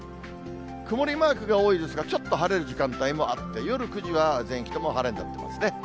曇りマークが多いですが、ちょっと晴れる時間帯もあって、夜９時は、全域とも晴れになってますね。